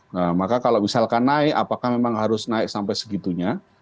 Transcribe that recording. nah maka kalau misalkan naik apakah memang harus naik sampai segitunya